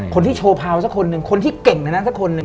คนที่โชว์พาวสักคนหนึ่งคนที่เก่งในนั้นสักคนหนึ่ง